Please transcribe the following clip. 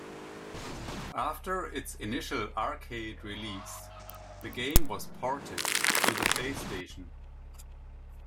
After its initial arcade release, the game was ported to the PlayStation.